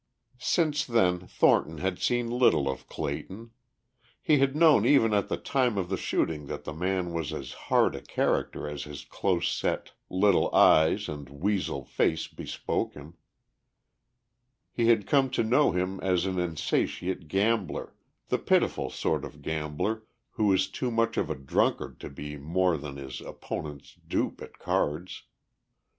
Since then Thornton had seen little of Clayton. He had known even at the time of the shooting that the man was as hard a character as his close set, little eyes and weasel face bespoke him; he had come to know him as an insatiate gambler, the pitiful sort of gambler who is too much of a drunkard to be more than his opponent's dupe at cards.